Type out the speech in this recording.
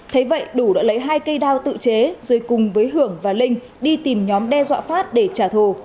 thế vậy đủ đã lấy hai cây đao tự chế rồi cùng với hưởng và linh đi tìm nhóm đe dọa phát để trả thù